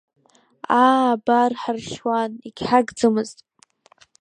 Аа, абар, ҳаршьуан, егьҳагӡамызт.